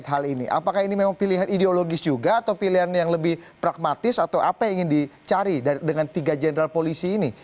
apakah ini memang pilihan ideologis juga atau pilihan yang lebih pragmatis atau apa yang ingin dicari dengan tiga jenderal polisi ini